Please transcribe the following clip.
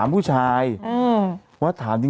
พูดจ้ายตอบไม่